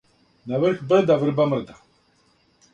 На врх брда врба мрда.